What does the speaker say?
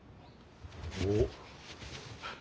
おっ。